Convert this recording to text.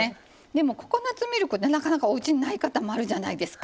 でもココナツミルクってなかなかおうちにない方もあるじゃないですか。